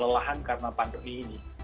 lelahan karena pandemi ini